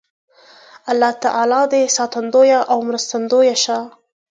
الله تعالی دې ساتندوی او مرستندوی شه